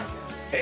え！